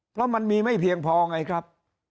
เพราะมันมีไม่เพียงพอไงครับ